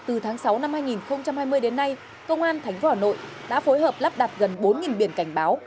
từ tháng sáu năm hai nghìn hai mươi đến nay công an tp hà nội đã phối hợp lắp đặt gần bốn biển cảnh báo